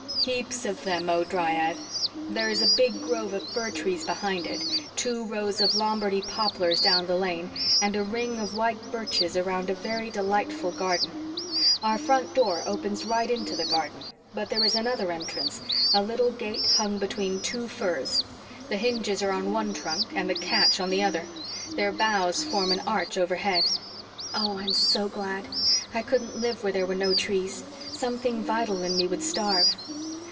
"Heaps of them, oh, dryad! There is a big grove of fir trees behind it, two rows of Lombardy poplars down the lane, and a ring of white birches around a very delightful garden. Our front door opens right into the garden, but there is another entrance a little gate hung between two firs. The hinges are on one trunk and the catch on the other. Their boughs form an arch overhead." "Oh, I'm so glad! I couldn't live where there were no trees something vital in me would starve.